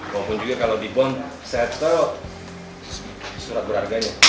walaupun juga kalau di bond settle surat berharganya